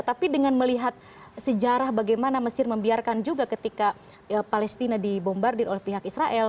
tapi dengan melihat sejarah bagaimana mesir membiarkan juga ketika palestina dibombardir oleh pihak israel